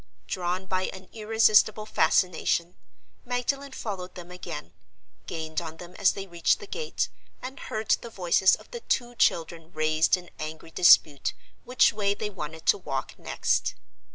Drawn by an irresistible fascination, Magdalen followed them again, gained on them as they reached the gate, and heard the voices of the two children raised in angry dispute which way they wanted to walk next.